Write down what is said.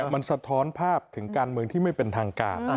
มันสะท้อนภาพถึงการเมืองที่ไม่เป็นทางการ